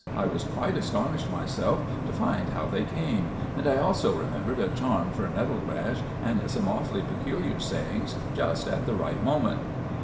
I was quite astonished myself to find how they came; and I also remembered a charm for nettlerash, and some awfully peculiar sayings just at the right moment."